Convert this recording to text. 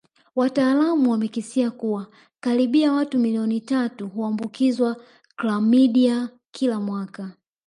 Wataalamu wamekisia kuwa karibia watu milioni tatu huambukizwa klamidia kila mwaka